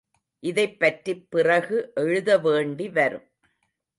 இதைப்பற்றிப் பிறகு எழுத வேண்டி வரும்.